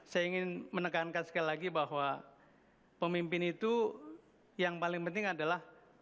saya ingin menekankan sekali lagi bahwa pemimpin itu yang paling penting adalah